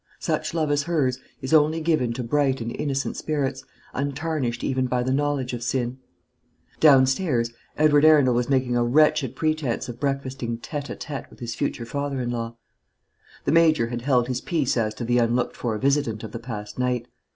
Such love as hers is only given to bright and innocent spirits, untarnished even by the knowledge of sin. Downstairs Edward Arundel was making a wretched pretence of breakfasting tête à tête with his future father in law. The Major had held his peace as to the unlooked for visitant of the past night.